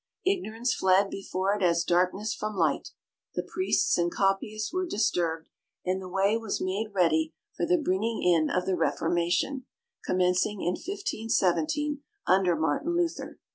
Ignorance fled before it as darkness from light; the priests and copyists were disturbed; and the way was made ready for the bringing in of the Reformation, commencing in 1517 under Martin Luther.